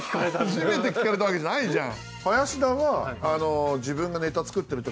初めて聞かれたわけじゃないじゃん。